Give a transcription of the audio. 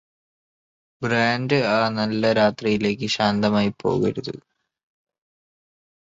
brand ആ നല്ല രാത്രിയിലേക്ക് ശാന്തമായി പോകരുത്